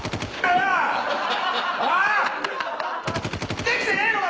おぉ⁉できてねえのか⁉